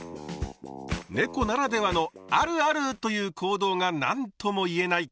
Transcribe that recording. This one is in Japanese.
ねこならではの「あるある！」という行動が何とも言えない